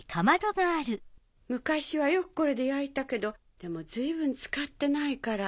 昔はよくこれで焼いたけどでも随分使ってないから。